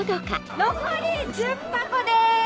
残り１０箱です！